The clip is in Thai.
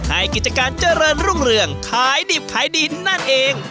กิจการเจริญรุ่งเรืองขายดิบขายดีนั่นเอง